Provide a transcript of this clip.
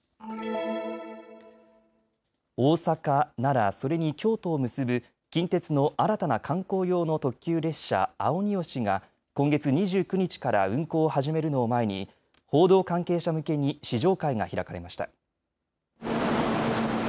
大阪、奈良、それに京都を結ぶ近鉄の新たな観光用の特急列車、あをによしが今月２９日から運行を始めるのを前に報道関係者向けに試乗会が開かれました。